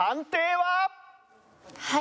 はい！